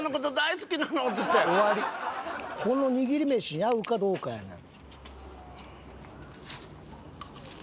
このにぎり飯に合うかどうかやねん。